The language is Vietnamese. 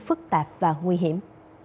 phức tạp và nguy hiểm